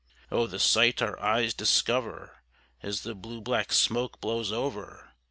Oh the sight our eyes discover as the blue black smoke blows over!